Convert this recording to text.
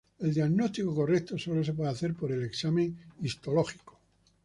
El diagnóstico correcto solo se puede hacer por el examen histológico.